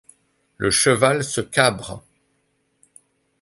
Le cheval se cabre.